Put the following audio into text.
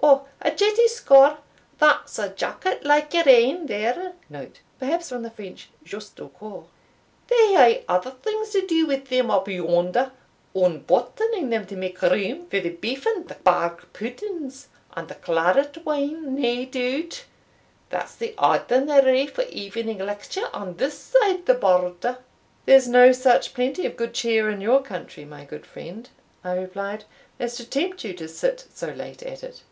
"Ou, a jeistiecor* that's a jacket like your ain, there. They * Perhaps from the French Juste au corps. hae other things to do wi' them up yonder unbuttoning them to make room for the beef and the bag puddings, and the claret wine, nae doubt that's the ordinary for evening lecture on this side the border." "There's no such plenty of good cheer in your country, my good friend," I replied, "as to tempt you to sit so late at it."